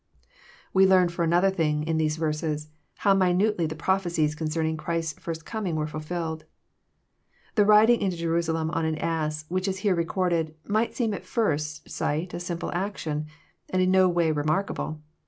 We learn, for another thing, in these verses, how mU nvtely the prophecies concerning Chrises first coming were fulfilled. The riding into Jerusalem on an ass, which is here recorded, might seem at first sight a simple action, and in no way remarkable.